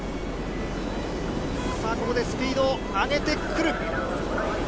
ここでスピードを上げてくる。